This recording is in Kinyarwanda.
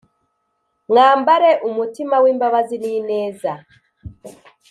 mwambare umutima w’imbabazi n’ineza